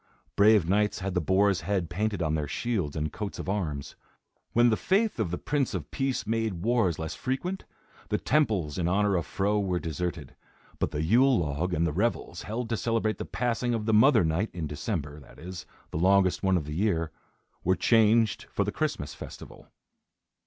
Brave knights had the boar's head painted on their shields and coats of arms. When the faith of the Prince of Peace made wars less frequent, the temples in honor of Fro were deserted, but the yule log and the revels, held to celebrate the passing of the Mother Night, in December, that is, the longest one of the year, were changed for the Christmas festival.